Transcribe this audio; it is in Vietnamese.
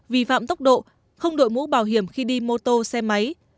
vi phạm tốc độ không đội mũ bảo hiểm khi đi mô tô xe máy